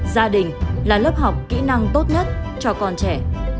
gia đình là lớp học kỹ năng tốt nhất cho con trẻ